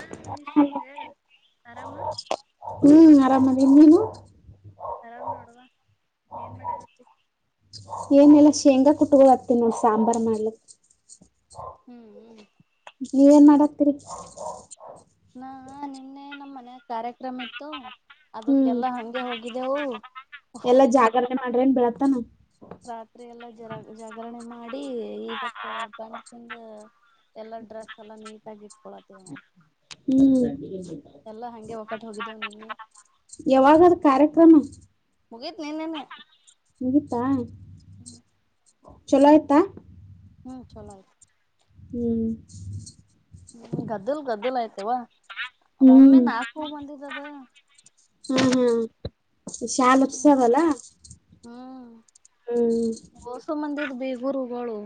ಹಾ ನಿಶು ಹೇಳ ಆರಾಮ ಹ್ಮ್ ಆರಾಮ ಎನ್ನವು ಆರಾಮ್ ನೋಡ್ುವ ಏನ್ ಮಾಡಾಗತ್ತೆ ಏನೆಲ್ಲ ಶೇಂಗಾ ಕುಟ್ಕ ಹತ್ತ ನ ಸಾಂಬಾರ್ ಮಾಡ್ಲಿಕ್ ಹ್ಮ್ ಹ್ಮ್ ನೀವೇನ್ ಮಾಡಾಕ್ತಿೀರಿ ನಾ ನಿನ್ನೆ ನಮ್ಮ್ ಮನಯಾಗ ಕಾರ್ಯಕ್ರಮ ಇತ್ತು ಹ್ಮ್ ಅದಕ್ಕೆಲ್ಲ ಹಂಗೆ ಹೋಗಿದೆವು ಅ್ರೇನ್ೀಳತ್ತಾನ ರಾತ್ರಿ ಎಲ್ಲಾ ಜರಾಗ ಜಾಗರಣೆ ಮಾಡಿ ನೋಡಿ ಇವತ್ ಬಂದಕಿಂದ ಎಲ್ಲ ಡ್ರೆಸ್ ಎಲ್ಲಾ ನೀಟಗ ಇಟ್ಕೊಳತ್ತೇವ ನಾ ಹ್ಮ್ ಹೋಗಿದ್ದೇವು ನಿನ್ನೆ ಯಾವಾಗದ ಕಾರ್ಯಕ್ರಮ ಮುಗೇತ್ನನ್ನನ್ನ ನಗೀಿತಾ ಚಲೋ ಎತಾ ಹ್ಮ್ ಚಲೋ ಆಯ್ತು ಹ್ಮ್ ್ಮ ಗದ್ದಲು ಗದ್ದಲ ಆಯ್ತವಾ ಒಮ್ಮೆ ನಾಲ್ಕು ಮಂದ ಇದದ ಹ್ಮ್ ಹ್ಮ್ ಶಾಲ ಹ್ಮ್ ಉತ್ಸವ ಅಲ್ಲಾ ಹ್ಮ್ ಹ್ಮ್ ಗುರುಗಳು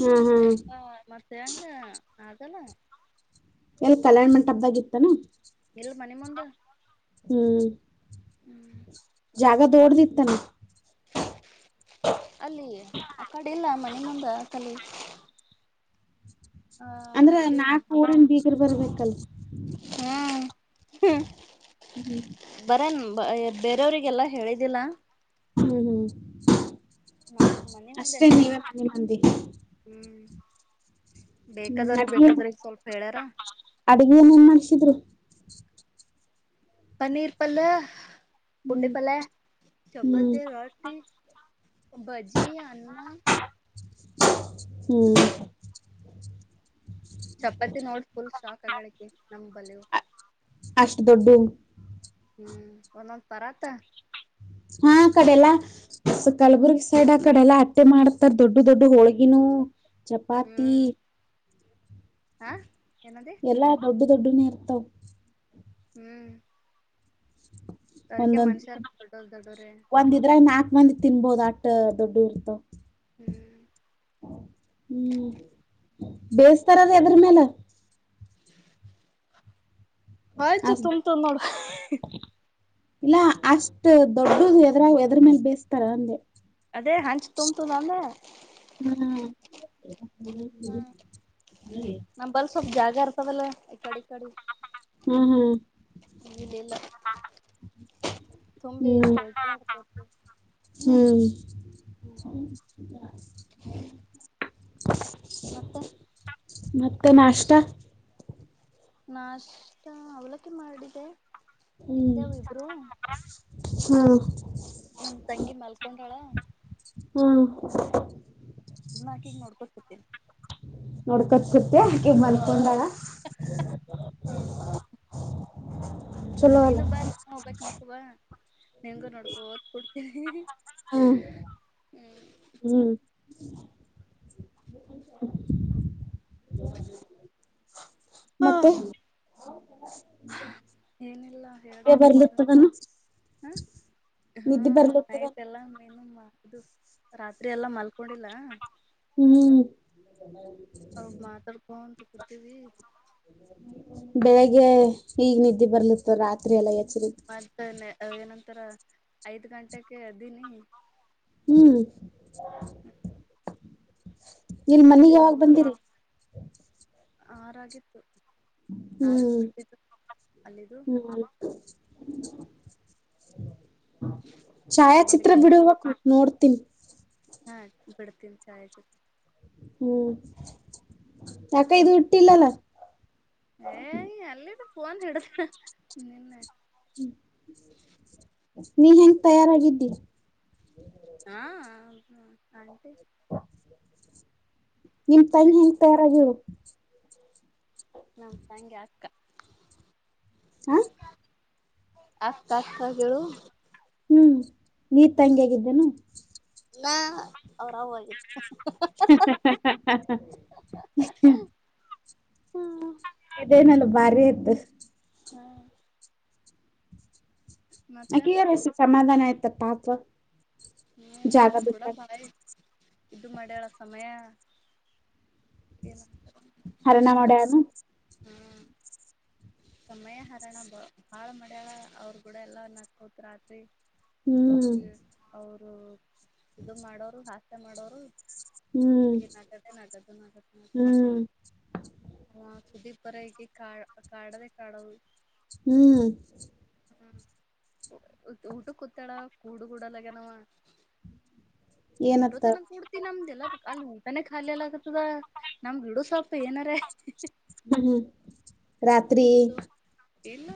ಹಾ ಹಾ ಎಲ್ಲ ಮತ್ತೆ ಹೆಂಗ ಅದಲ್ಲ ಎಲ್ಲ ಕಲ್ಯಾಣ ಮಂಟ ಹಬ್್ದಾಗ ಇತ್ತಾನ ಇಲ್ ಮನೆ ಮುಂದ ಹ್ಮ್ ಹ್ಮ್ ಜಾಗ ದೋಡ್ದಿತ್ತಾನ ಅಲ್ಲಿ ಆ ಕಡೆ ಇಲ್ಲ ಮನೆ ಮುಂದ ಕಲಿ ಆ ಅಂದ್ರ ಇದು ನಾಕ ಫಿರ್ ಬರ್ಬೇಕ ಕಲ್ ಹ್ಮ್ ಹ್ಮ್ ಬರನ್ ಬೇರೆಯವ್ರರಿಗೆಲ್ಲ ಹೇಳಿದ್ದಿಲ್ಲ ಹ್ಮ್ ಹ್ಮ್ ನಾವು ಮನೆ ಮುಂದೆ ಅಷ್ಟೇ ನೀವೇ ಮನೆ ಮಂದಿ ಹ್ಮ್ ಹ್ಮ್ ಬೇಕಾದವ್ರಗ್ ಅಡ್ಗೆ ಬೇಕಾದ್ರಗ್ ಸ್ವಲ್ಪ ಹೇಳ್ಯಾರ ಅಡ್ಗೆ ನ ಏನ್ ಮಾಡ್ಸಿದ್ರು ಪನ್ನೀರ್ ಪಲ್ಲ ಹ್ಮ್ ಕುಂಡಿಪಲ್ಲ ಚಪ್ಪತಿ ರಾಟ್ಟಿ ಬಜಿ ಆನು ಹ್ಮ್ ಚಪಾತಿ ನೋಡ್ ಫುಲ್ ಶಾಖ ಆಗ್ಯಾಳಕ್ಕಿ. ಅಷ್ಟ ದೊಡ್ಡ ಹ್ಮ್ ಒಂದೊಂದು ಪರಾತ್ತ. ಹಾ ಆ ಕಡೆಲ್ಲ ಕಲಬುರ್ಗಿ ಸೈಡ್ ಆ ಕಡೆ ಎಲ್ಲಾ ಅಟ್ಟೆ ಮಾಡ್ತಾರ ದೊಡ್ದು ದೊಡ್ಡು ಹೋಳಿಗಿ. ಗಿಣ್ಣು, ಚಪಾತಿ ಆ ಏನದೆ. ದೊಡ್ಡುನ ಇರ್ತಾವ. ಹ್ಮ್ ಅದಕೆ ಒಂದೊಂದ್ ಮನುಷ್ಯಾರ ದೊಡ್ಡ ದೊಡ್ಡವ್ರೆ. ಒಂದ್ ಇದ್ರಾಗ ನಾಕ್ ಮಂದಿ ತಿನ್ನ್ಬಹುದ್ ಆಟ ದೊಡ್ಡು ಇರ್ತಾವ. ಹ್ಮ್ ಹ್ಮ್ ಬೇಯಿಸತಾರದ ಎದರಮ್ಯಾಲ್. ಆಯ್ತು ಅಸ್ ತುಂಬಿತುನ ನೋಡ. ಇಲ್ಲ ಅಷ್ಟ ದೊಡ್ಡದು ಎದರ್ ಎದರ್ ಮೇಲ್ ಬೇಯಿಸತಾರ ಅಂದೇ. ಅದೇ ಹಂಚ್ ತುಂಬ್ತದನಂದ ಹಾ ಹ ಹ್ಮ್ ನಂಬಲ್ಲಿ ಸ್ವಪ್ ಜಾಗ ಇರ್ಬೇಕ್ಲಾ. ತಡಿ ತಡಿ. ಹ್ಮ್ ಇಲ್ಲ ಇಲ್ಲ ತುಂಬಿ ಹ್ಮ್ ತುಳಕ್ಯಾಡ್ತೈತಿ. ಹ್ಮ್ [inaudible] ಮತ್ತೆ ಮತ್ತೆ ನಾಷ್ಟಾ. ನಾಷ್ಟ ಅವಲಕ್ಕಿ ಮಾಡಿದೆೆ. ಹ್ಮ್ ಹಾ ನಮ್ಮ ತಂಗಿ ಮಲ್ಕೊಂಡಾಳ. ಹ್ಮ ನಾಕ್ ಈಗ್ ನೋಡ್ಕೊತ್ತಿದ್ದೆ. ನೋಡ್ಕೋತ ಕುತ್ತೆ ಆಕೆ ಮಲ್ಕೊಂಡಾಳ. ಹ್ಮ್ ಚಲೋ ಅಲ್ಲ ನೀನು ಬಂದ್ ಹೋಗ್ಬೇಕ್ ಮತ್ತ್. ವ ನಿಂಗು ನೋಡ್ಕೋತ ಕುಡ್ತೀವ್ ಹ್ಮ್ ಹ್ಮ್. ಹ್ಮ್ ಮತ್ತೆ ಏನಿಲ್ಲ ನಿದ್ದೆ ಬರ್ಲತ್ತದನು ಹ ಹ ನಿದ್ದೆ ಬರ್ಲತ್ತದನು ನೈಟ್ ಎಲ್ಲ ನೀನು ಮಾ ಅದು ರಾತ್ರಿ ಎಲ್ಲಾ ಮಲ್ಕೊಂಡಿಲ್ಲ. ಹ್ಮ್ ಅವ್ ಮಾತಾಡ್ಕೋ ಅಂತ ಕೂತುಕೊಂಡು ಇದ್ದೀವಿ ಬೆಳಿಗ್ಗೆ ಈಗ್ ನಿದ್ದೆ ಬರ್ಲಿತ್ತು ರಾತ್ರಿ ಎಲ್ಲ ಎದ್ದು ಮಾಡ್ತಾನನೆ ಅ ಏನಂತ ಆತ್ತರ ಐದ್ ಗಂಟೆಕ್ಕೆ ಯ ದ್ದೀನಿ ಹ್ಮ್ ಇಲ್ ಮನಗೆ ಮನೆದ್ದಿ ಯಾವಾಗ ಬಂದಿರಿ ಆರು ಆಗಿತ್ತು ಹ್ಮ್ ಅಲ್ಲಿದು ಹ್ಮ್ ಹ್ಮ ಛಾಯಾಚಿತ್ರ ಅದಕ್ಕೆ ಬಿಡುವ ನೋಡ್ ತ್ತನ್ [unintelligible] ಹಾ ಬಿಡ್ತೀನಿ ಚಾರ್ಜ್ ಹ್ಮ್ ಯಾಕೆ ಇದು ಇಟ್ಟಿಲ್ಲ ಅಲ್ಲ ಏ ಅಲ್ಲಿದು ಫೋನ್ ಹಿಡುದ ನಿನ್ನೆ ನೀ ಹೆಂಗ್ ತಯಾರಾಗಿದ್ದಿ ಹಾ ಹ್ಮ್ ಆಂಟೀ ಹಾ [unintelligible] ನಿಮ್ಮ ತಂಗಿ ಹೇಗೆ ತಯಾರಾದಳ್ಳ [inaudible] ನನ್ ತಂಗಿ ಅಕ್ಕ ಹ ಆತ ಆತಾ ಕೆುವ [unintelligible] ಹ್ಮ್ ನೀರ್ ತಂಗಿ ಆಗಿದ್ದೇನು ನ ಅವ್ರ ಅವ್ವ ಆಗಿದ್ದೇ [unintelligible] ಹ್ಮ ಇದೇನಲ್ಲ ಭಾರಿ ಇತ್ತು ಹ್ಮ್ ಅಕ್ಕಿಗಾದ್ರು ಸಮಾಧಾನ ಆಯ್ತು ತ್ತ ಪಾಚ [unintelligible] ಹ್ಮ್ ಅವ್ರ ಕೂಡ ಭಾರಿ ಇದು ಮಳೆಯಳ ಸಮಯ ಏನಾಗ್ತದೆ ಅರರಣ ಮಾಡ ಯಾರು ಹ್ಮ ಸಮಯ ಹರೋಣ ಬ ಭಾಳ ಮಡ್ಯ ಅವ್ರ ಕೂಡ ಎಲ್ಲನ್ನ ಕೂತ್ ರಾತ್ರಿ ಹ್ಮ್ ಹೌದು ಇದು ಮಾಡೋರು ಹಾ ಇಷ್ಟ ಮಾಡೋರು ಇ ಹ್ಮ್ ಕತೆ ನ ಕದು ಕ ಕ ಹ್ಮ್ ಹ ಪುದಪರ ಕಾ ಕಾಡದೆೇ ಕಾಡ ಹ್ಮ್ ಹ್ಮ ಊಟ ಕೂತಾಳ ಕೂಡು ಕೂಡಲ್ಲ ನ ಏಟು ಏನತ್ತ ತನ ಕುಡ್ತೀನಿ ನಮ್ದೆಲ್ಲಾ ಅಲ್ಲಿ ಊಟಾನ ಖಾಲಿ ಎಲ್ಲ ಆಗತದ ನಮ್ ಗಿಡು ಸಾಪ್ ಏನಾರ ಹ್ಮ ಹ್ಮ್ ರಾತ್ರಿ ಇಲ್ಲ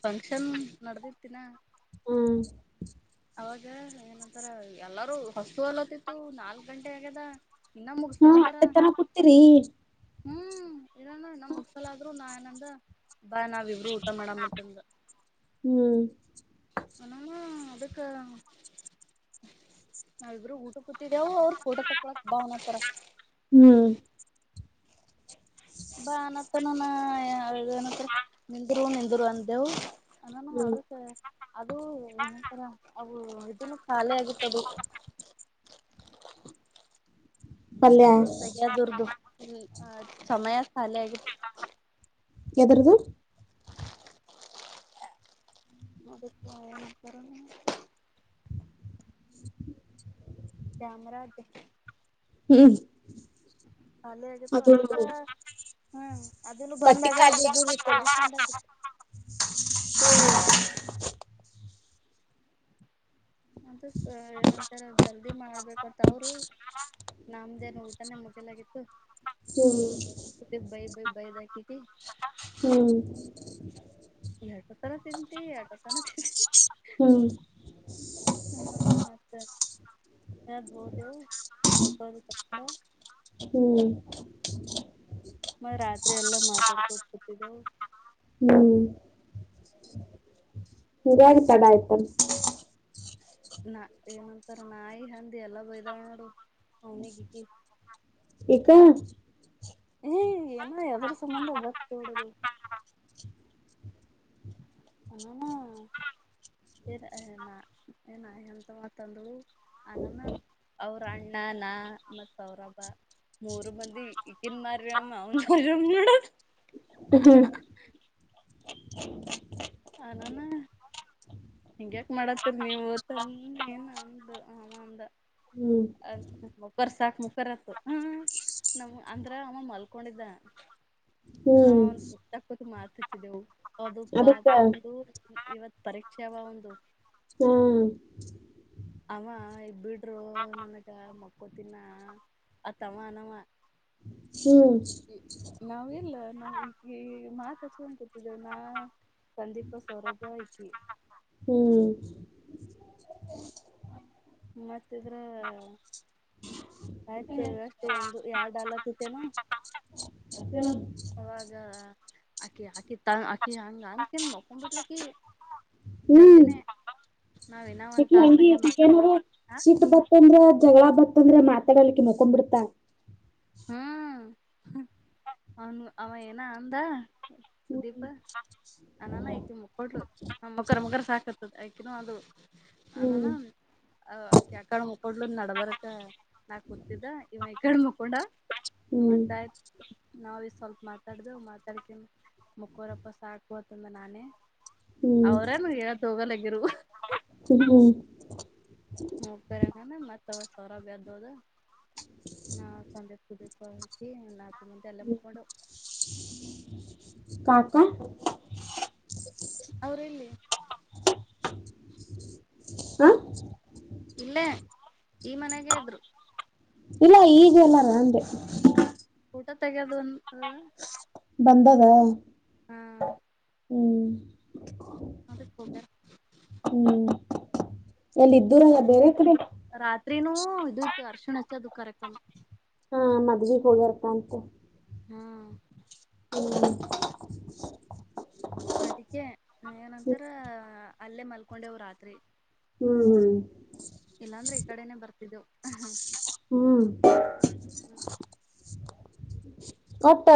ಫಂಕ್ಷನ್ ನಡ್ದಿರ್ತೀಿನ ಹ್ಮ್ ಅವಾಗ ಏನಂತಾರ ಎಲ್ಲಾರೂ ಹೊಸತು ಹೊಲತ್ತತ್ತು ನಾಲ್ಕ್ ಗಂಟೆ ಆಗ್ಯದ ಇನ್ನ ಹಾ ಮುಗಸಲಗ್ಯಾರ ಹತ್ತ ತರ ಕೂತಿೀರಿ ಹ್ಮ್ ಇದ ನಮ್ ಮುಗಸಲಾದ್ರು ನಾ ಏನ ಬಾ ನಾವ ಇಬ್ರು ಊಟ ಮಾಡಮ್ಮಂತಂದು ಹ್ಮ್ ನ ಅಕ್ಕೆ ನಾ ಇಬ್ಬರು ಊಟ ಕೂತಿದವು ಅವ್ರ ಫೋಟ ತಕೊಳಕ್ ಬಾವನತರ ಹ್ಮ್ ಬಾನತ ನಾನ ಅ ನಿಲ್ರ ಧದುರುವಂತವು ಅದಾನ ಹ್ಮ್ ಅದಕ್ಕೆ ಅದು ಏನಂತರ ಅವು ಇದನ್ನು ಖಾಲಿ ಆಗಿತ್ತದು ಪಲ್ಯ ಅದು ತೆಗೆದುರ್ದು ಸಮಯ ಾಲ ಆಗ ಯದ್ರದು ಅದಕ್ಕೆ ಆರಣ ಚ್ಯಾಮರಾಜಾಜ ಹ್ಮ್ ಖಾಲ ಆಗಿತ್ತು ಅದು ಅದಕ್ಕ ಹ್ಮ್ ಅದನ್ನು ಪಟ್ಟಿ ಬಂದಾಗ ಕಾಳ ಅದು ಇ ಪೊಜಿಷನ್ಾಗಿತ್ತು ಅ ಏನಂತಾರೆ ಜಲ್ದಿ ಮಾಡ್ಬ ಹೋಗಬೇಕಂತ ಅವರು ನಮ್ದೇನು ಊಟನೇ ಮುದಲಾಗಿತ್ತು ಹ್ಮ್ ಬದಿಗೆ ಹ್ಮ್ ಎರಡು ತನ ತಿಂತಿ ಎರಡು ತನ ತಿಂತಿ ಹ್ಮ್ ನದ ಮಾಡತತಿ ಹದು ಫೋಟೋದು ಕಟ್ಟ ಹ್ಮ್ ಮ ರಾತ್ರಿ ಎಲ್ಲ ಮಾತಾಡ್ಕೋ ಕೂತಿದ್ದವು ನಿರಾಗಿ ತಡಾಯತ್ತ ನ ಏನಂತಾರ ನಾಯಿ ಹಂದಿ ಎಲ್ಲ ಬಯ್ದಾವ ನೋಡು ಅವನಿಗಿಕಿ ಇ ಹಾ ಏ ಏನೋ ಯದ್ರ ಸಂಬಂಧ ಬ ನೋಡುದು ಹ ಏನ ತ ತಂದಳು ಅನನ್ನ ಅವ್ರ ಅಣ್ಣ ನಾ ಮತ್ ಅವ್ರಬ್ಬ ಮೂರು ಮಂದಿ ಇಿನ್ ಮಾರನ್ರೋ ಹ ಹ್ಮ ಅಾನ ಹಿಂಗ ಯ್ಯಾಕ ಮಾಡತ್ತೀರಿ ನೀವು ತನ್ನ ಏನ ಅಂದು ಆಮ ಅಂದ ಅ ಬರ್ಸಾಖ ಮು ಬರತ ಹ ನಮ ಅಂದ್ರ ಅಮ್ಮ ಮಲ್ಕೊಂಡಿದ್ದ ಹ್ಮ್ ಹ್ಮ್ ನಾನ್ ಸುತ್ತ ಕ ಮಾ ಹತ ಚ ದ ಅದುಪಾ ಅದಕ್ಕ ಹಾ ಒಂದು ಇವತ್ ಪರೀಕ್ಷೆ ಚಾವ ಒಂದು ಹ್ಮ್ ಅವ ಇಬ ಹ್ಮ ಹಾ ಹಕೋತಿನ ಅತವನವ ಹ್ಮ್ ನಾವ ಇಲ್ಲ ನಾವು ಈಗ ಮಾತ್ಸೊಂಡ ಕೊತಿದ್ದೇವನಾ ಸಂದಿಪ ಸೊರಪಾಯಕಿ [inaudible] ಮತ್ತಿದ್ರ ಆಯ್ತು ಎಷ್ಟು ಒಂದು ಎರ ಾಲತ್ತೆೇನ ಅವಾಗ ಹಾಕಿ ಹಾಕಿ ಜಲ್ದಿನೇ ಹ್ಮ್ಂಗ ನಾವ್ ಇನ್ನ ಒಂದ್ ತಾಸ ಹಂಗೆ ಮಾತಾಡ್ಕೋತ ಶೀತ ಬತ್ತಂದ್ರೆ ಜಗಳ ಬತ್ತ ಅಪ್ಪಂದ್ರ ಮಾತಾಡಡ್ಲಿಕ್ಕೆ ಮಕೊ್ ಬಿಿಡ್ತಾ ಹ್ಮ್ ಅವನು ಅವನ್ ಏನ ಆಂದಾ ಸುದೀಪ ಹ್ಮ್ ಅನಾನ ಆ ಕೊಡ್ಲು ಮಗರ್ ಮುಖರ್ ಸಾಕತದ ಆಯ್ ಅದು ಹ್ಮ್ ಅನಾನ ಕೊಡ್ಲ ನಡಬಾರಕ ನಾಕ್ ಕೂತಿದ್ದ ಇವ ಈ ಕಡೆ ಮು ಹ್ಮ್ ಮತ್ತ ಆಯ್ತ್ ನಾ ಸ್ವಲ್ಪ ಮಾತಾಡ್ದ ಮಾತಾಡ್ಕ ಮುಕ್ಕೋರಪ್ಪ ಸಾಕು ಅತಂದ ನಾನೇ ಹ್ಮ್ ಅವ್ರನು ತೋಗಲ್ಲಗರು ಹ ಹಬರಂಗ ಮತ್ತ ಸಾರ ಪ ದೊದ ಹಾ ಸಂದೆದೆ ಇಮ್ಮಂತ ಎಲ್ಲ ಮುಕ್ಕೊೊಂಡ ಕಾಕಾ ಅವ್ರ ಎಲ್ಲಿ ಹ ಇಲ್ಲೇ ಈ ಮನೆಗೆ ಇದ್ರು ಇಲ್ಲ ಈಗೆಲ್ಲ ನಂದೆ ಊಟ ತಗೋದು ಒಂದು ಹಾ ಬಂದದ ಹ್ಮ್ ಹ್ಮ್ ಹೋಗ್ಯಾರ ಹ್ಮ್ ಎಲ್ಲಿ ಇದ್ದೂರಾಗ ಅದ ಬೇರೆ ಕಡೆ ರಾತ್ರಿನೂ ಇ ಇತ್ತು ಅರ್ಶಿಣ ಹಚ್ಚೋದು ಕರಕಂ ಹಾ ಮದ್ಲಿಿಗೆ ಹೋಗ್ಯರ್ತಂತ ಹ್ಮ್ ಹ್ಮ ಅದಕ್ಕೆ ಏನಂತರ ಅಲ್ಲೇ ಮಲ್ಕೊಂಡೆವು್ ರಾತ್ರಿ ಹ್ಮ್ ಹ್ಮ್ ಇಲ್ಲಾಂದ್ರೆ ಈ ಕಡೆನೆ ಬರ್ತಿದ್ದೆ ಹ್ಮ್ ಕೊಟ್ಟ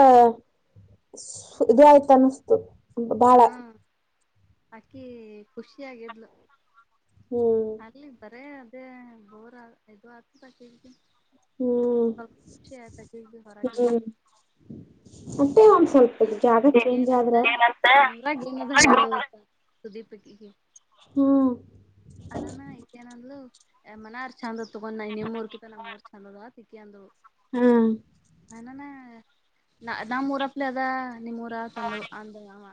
ಇ ಆಯ್ತಾನಿಸತು ಬಾಳ ಆಕಿ ಖುಷಿ ಆಗಿದ್ಲು ಹ್ಮ್ ಅಲ್ಲಿ ಬರ ಬೋರ್ ದು ಆರ್ತ ತಟ್ಟಿ ಹ್ಮ್ ಹೊರಗಿಂದು ಹ್ಮ್ ಮತ್ತೆ ಒಂದ್ ಸ್ವಲ್ಪ ಜಾಗ ಚೇಂಜ್ ಏನಂತ ಆದ್ರೆ ಸುದೀಪ ಹ್ಮ ಅನಾನ ಐತೇನಂದ್ಲು ಎ ಮನಾರ್ ಚಂದದ ತಗೊಂಡ್ ನ ನಿಮ್ೂರ್ ಕಿ ನಮ್ಮ್ಊರ್ ಚಂದದ ತಿಿ ಅಂದ್ ಹ್ಮ ನಾನ ನ ನಮ್ಮ ಊರಪ್ಲೆ ಅದ ನಿ ಮೂೂರ ತಂದ ಅಂದಮ್ಮ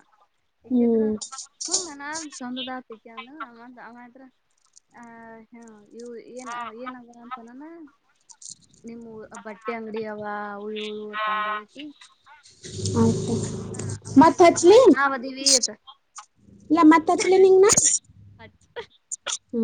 ಇಕಿದ್ರ ಹ್ಮ್ ಹ ನ ಚಂದದ ಆತ ಅಂದ ಅಮ್ಮ ಹ ಹ್ಮ ಇವು ಏನ್ ಏನಗ ಅಂತನಾನ ನಿಮ್ಮ್ ಬಟ್ಟೆ ಅಂಗಡಿ ಅವವ ತ ಅಂದೊಳಸ ಆಯ್ತ ಅನಾ ಅವ ಮತ್ ಇದ್ರ ಹಚ್ಲಿ ನತ್ತ ಇಲ್ಲ ನಾವದೀವಿತ್ತ ಮತ್ ಹಚ್ಲಿ ನಿಂಗ್ ಅ ಆ